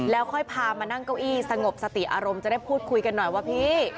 แล้วค่อยพามานั่งเก้าอี้สงบสติอารมณ์จะได้พูดคุยกันหน่อยว่าพี่